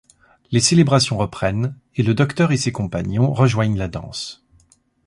Les célébrations reprennent et le Docteur et ses compagnons rejoignent la danse.